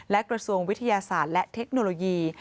และกระทรวงวิทยาศาสตร์และเทคโนโลยี